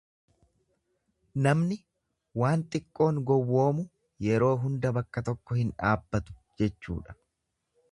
Namni waan xiqqoon gowwomu yeroo hunda bakka tokko hin dhaabbatu jechuudha.